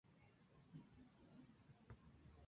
María G. fue acusada por homicidio agravado por el vínculo.